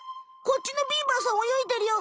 こっちのビーバーさんおよいでるよ。